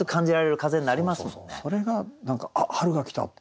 それが「あっ春が来た」って。